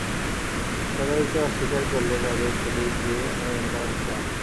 চাঁদা দিতে অস্বীকার করলে তাঁদের পুলিশ দিয়ে হয়রানি করার হুমকি দেওয়া হয়।